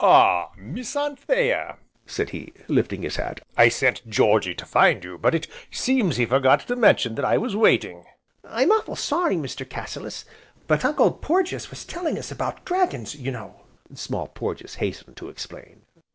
"Ah, Miss Anthea," said he, lifting his hat, "I sent Georgy to find you, but it seems he forgot to mention that I was waiting." "I'm awful' sorry, Mr. Cassilis, but Uncle Porges was telling us 'bout dragons, you know," Small Porges hastened to explain.